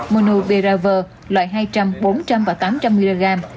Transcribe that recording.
monubiravia loại hai trăm linh bốn trăm linh và tám trăm linh mg